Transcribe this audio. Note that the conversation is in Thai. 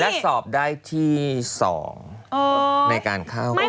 และสอบได้ที่๒ในการเข้า